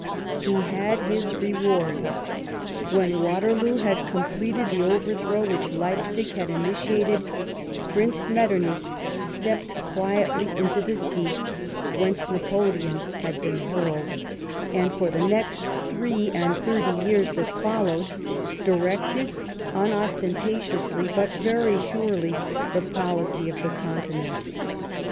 He had his reward. When Waterloo had completed the overthrow which Leipsig had initiated, Prince Metternich stepped quietly into the seat whence Napoleon had been hurled, and, for the thrcc and thirty years that followed, directed, unostentatiously but very surely, the policy of the Continent.